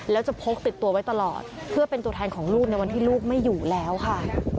แล้วจะพกติดตัวไว้ตลอดเพื่อเป็นตัวแทนของลูกในวันที่ลูกไม่อยู่แล้วค่ะ